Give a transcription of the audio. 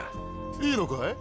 いいのかい？